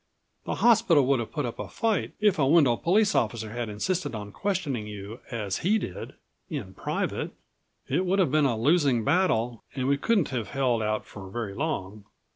"The hospital would have put up a fight if a Wendel police officer had insisted on questioning you as he did in private. It would have been a losing battle, and we couldn't have held out for very long.